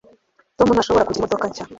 Tom ntashobora kugura imodoka nshya